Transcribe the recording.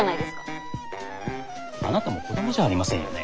あなたも子供じゃありませんよね？